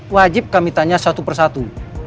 wajib kami tanya satu persatu